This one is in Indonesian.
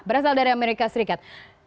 berasal dari amerika serikat